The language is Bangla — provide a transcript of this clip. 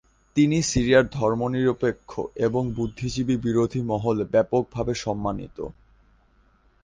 তিনি সিরিয়ার ধর্মনিরপেক্ষ এবং বুদ্ধিজীবী বিরোধী মহলে ব্যাপকভাবে সম্মানিত।